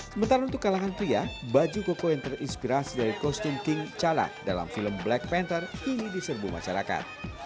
sementara untuk kalangan pria baju koko yang terinspirasi dari kostum king calak dalam film black panther kini diserbu masyarakat